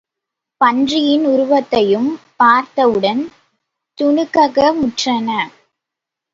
பன்றியின் உருவத்தையும் பார்த்தவுடன் துணுக்ககமுற்றன.